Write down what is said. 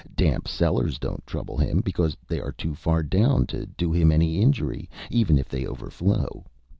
Damp cellars don't trouble him, because they are too far down to do him any injury, even if they overflow.